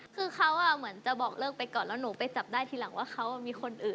คือเขาเหมือนจะบอกเลิกไปก่อนแล้วหนูไปจับได้ทีหลังว่าเขามีคนอื่น